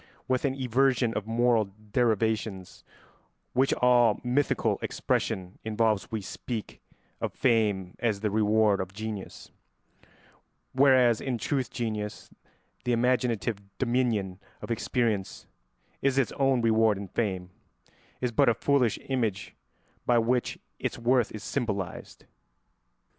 With an inversion of moral derivations which all mythical expression involves we speak of fame as the reward of genius, whereas in truth genius, the imaginative dominion of experience, is its own reward and fame is but a foolish image by which its worth is symbolised.